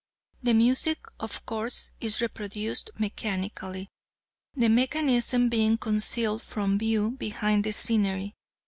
The music, of course, is reproduced mechanically, the mechanism being concealed from view behind the scenery.